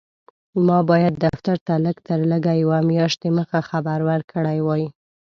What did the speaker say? ما باید دفتر ته لږ تر لږه یوه میاشت دمخه خبر ورکړی وای.